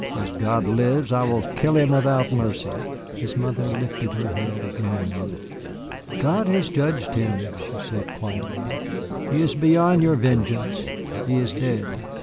"As God lives, I will kill him without mercy!" His mother lifted her head again. "God has judged him," she said quietly; "he is beyond your vengeance he is dead."